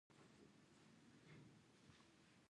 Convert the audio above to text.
کله چې افغانستان کې ولسواکي وي مشوره دود وي.